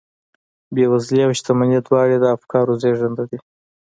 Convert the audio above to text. بېوزلي او شتمني دواړې د افکارو زېږنده دي